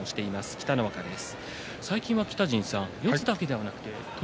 北の若です。